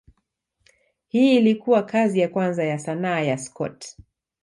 Hii ilikuwa kazi ya kwanza ya sanaa ya Scott.